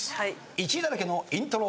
１位だらけのイントロ。